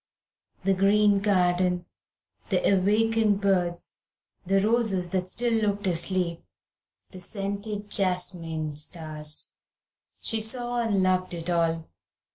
The green garden, the awakened birds, the roses that still looked asleep, the scented jasmine stars! She saw and loved it all.